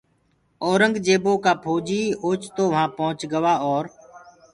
اورنٚگجيبو ڪآ ڦوجيٚ اوچتو وهآن پُهچ گوآ اور